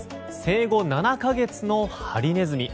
生後７か月のハリネズミ。